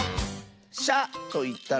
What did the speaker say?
「しゃ」といったら？